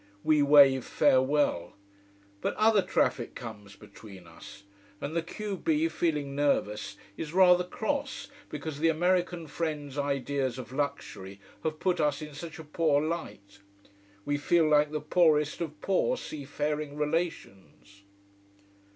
We wave farewell. But other traffic comes between us. And the q b, feeling nervous, is rather cross because the American friend's ideas of luxury have put us in such a poor light. We feel like the poorest of poor sea faring relations.